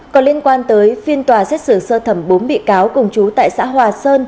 còn liên quan tới phiên tòa xét xử sơ thẩm bốn bị cáo cùng chú tại xã hòa sơn